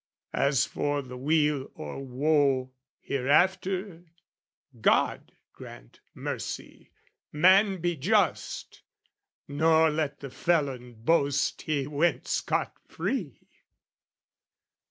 As for the weal or woe "Hereafter, God grant mercy! Man be just, "Nor let the felon boast he went scot free!"